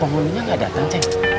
penghulunya gak datang cek